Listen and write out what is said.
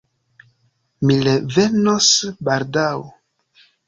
Mi revenos baldaŭ.